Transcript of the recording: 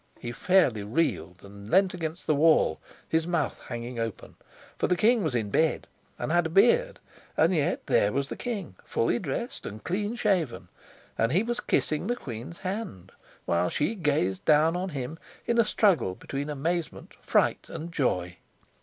He fairly reeled and leant against the wall, his mouth hanging open. For the king was in bed, and had a beard; yet there was the king, fully dressed and clean shaven, and he was kissing the queen's hand, while she gazed down on him in a struggle between amazement, fright, and joy.